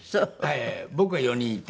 僕は４人いて。